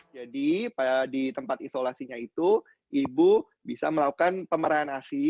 jadi di tempat isolasinya itu ibu bisa melakukan pemerahan asi